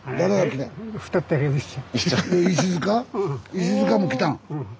石塚も来たん？